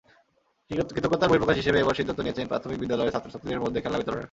কৃতজ্ঞতার বহিঃপ্রকাশ হিসেবে এবার সিদ্ধান্ত নিয়েছেন প্রাথমিক বিদ্যালয়ের ছাত্রছাত্রীদের মধ্যে খেলনা বিতরণের।